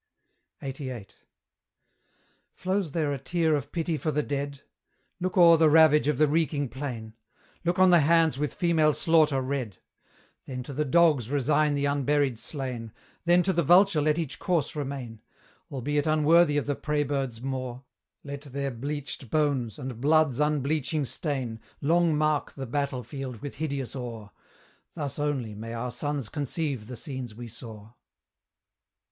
LXXXVIII. Flows there a tear of pity for the dead? Look o'er the ravage of the reeking plain: Look on the hands with female slaughter red; Then to the dogs resign the unburied slain, Then to the vulture let each corse remain; Albeit unworthy of the prey bird's maw, Let their bleached bones, and blood's unbleaching stain, Long mark the battle field with hideous awe: Thus only may our sons conceive the scenes we saw!